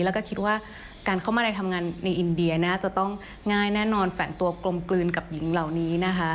แล้วก็คิดว่าการเข้ามาในทำงานในอินเดียน่าจะต้องง่ายแน่นอนแฝงตัวกลมกลืนกับหญิงเหล่านี้นะคะ